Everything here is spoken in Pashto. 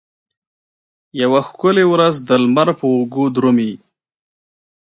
یوه ښکلې ورځ د لمر په اوږو درومې